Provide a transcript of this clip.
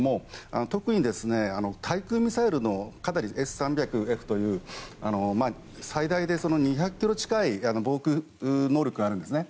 特に対艦ミサイルのＳ３００Ｆという最大で２００ｋｍ近い防空能力があるんですね。